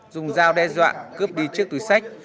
dùng dao đe dọa cướp đi trước túi sách